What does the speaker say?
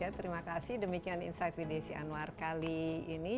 terima kasih demikian insight with desi anwar kali ini